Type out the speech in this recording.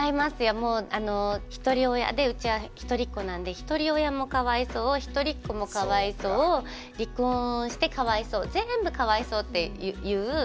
もうひとり親でうちはひとりっ子なんでひとり親もかわいそうひとりっ子もかわいそう離婚してかわいそう全部かわいそうっていう感じで言われたりとか。